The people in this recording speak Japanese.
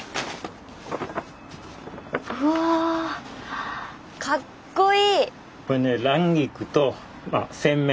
うわかっこいい！